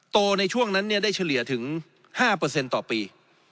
ในช่วงนั้นได้เฉลี่ยถึง๕ต่อปี